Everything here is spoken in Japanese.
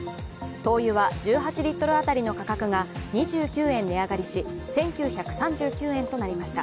灯油は１８リットル当たりの価格が２９円値上がりし、１９３９円となりました。